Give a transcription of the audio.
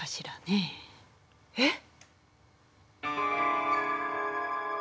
えっ？